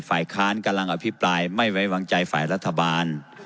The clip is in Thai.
ฝ่ายค้านกำลังอภิปรายไม่ไว้วางใจฝ่ายรัฐบาล